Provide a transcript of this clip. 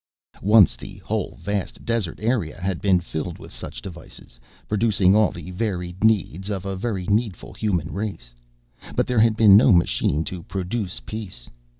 Once the whole vast desert area had been filled with such devices, producing all the varied needs of a very needful human race. But there had been no machine to produce peace.